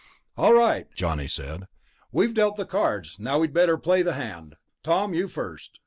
"All right," Johnny said, "we've dealt the cards, now we'd better play the hand. Tom, you first."